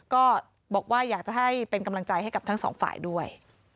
ก็บอกว่าอยากจะให้เป็นกำลังใจให้กับทั้งสองฝ่ายด้วย